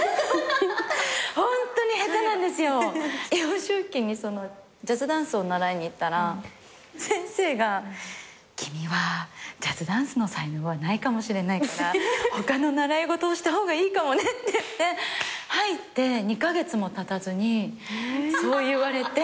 幼少期にジャズダンスを習いに行ったら先生が「君はジャズダンスの才能はないかもしれないから他の習い事をした方がいいかもね」って言って入って２カ月もたたずにそう言われて。